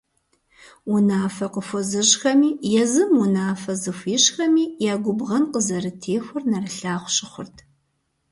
Унафэ къыхуэзыщӏхэми, езым унафэ зыхуищӏхэми я губгъэн къызэрытехуэр нэрылъагъу щыхъурт.